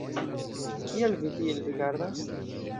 Kial vi tiel rigardas?